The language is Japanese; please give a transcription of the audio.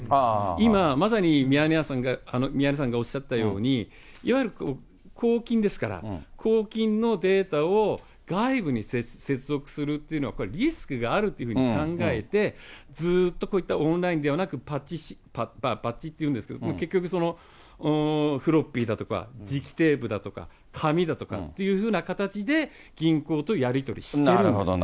今、まさにミヤネ屋さんが、宮根さんがおっしゃったように、いわゆる公金ですから、公金のデータを外部に接続するっていうのはこれはリスクがあるというふうに考えて、ずっと、こういったオンラインではなく、パッチっていうんですけど、結局、フロッピーだとか、磁気テープだとか、紙だとかっていうふうな形で銀行とやり取りしてるんです。